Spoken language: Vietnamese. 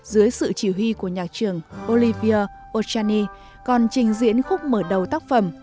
dưới sự chỉ huy của nhạc trường olivia ochani còn trình diễn khúc mở đầu tác phẩm